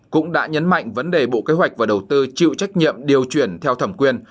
cũng đã nhấn mạnh vấn đề bộ kế hoạch và đầu tư chịu trách nhiệm điều chuyển theo thẩm quyền